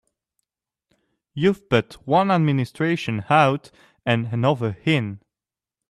You've put one administration out and another in.